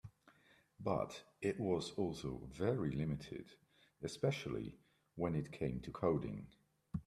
But it was also very limited, especially when it came to coding.